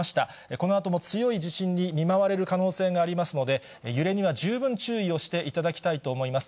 このあとも強い地震に見舞われる可能性がありますので、揺れには十分注意をしていただきたいと思います。